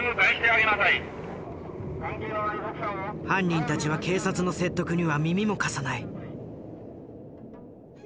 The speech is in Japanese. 犯人たちは警察の説得には耳も貸さない。